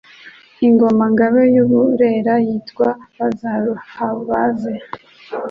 Ingoma-ngabe y'u Burera yitwaga “Bazaruhabaze”